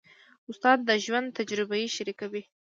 استاد د ژوند تجربې شریکوي.